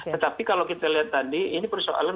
tetapi kalau kita lihat tadi ini persoalan